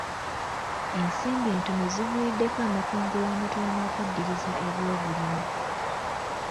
Ensimbi entono ziviiriddeko amakungula amatono n'okuddiriza ebyobulimi.